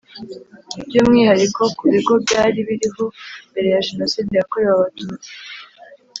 By umwihariko ku bigo byari biriho mbere ya jenoside yakorewe abatutsi